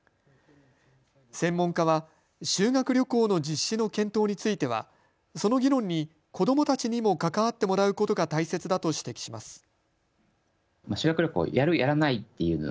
専門家は修学旅行の実施の検討についてはその議論に子どもたちにも関わってもらうことが大切だと指摘します。